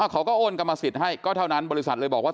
เขาก็โอนกรรมสิทธิ์ให้ก็เท่านั้นบริษัทเลยบอกว่า